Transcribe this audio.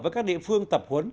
với các địa phương tập huấn